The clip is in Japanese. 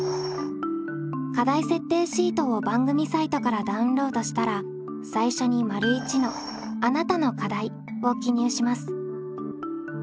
課題設定シートを番組サイトからダウンロードしたら最初に①の「あなたの課題」を記入します。